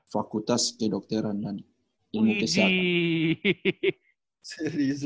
fakultas kedokteran dan ilmu kesehatan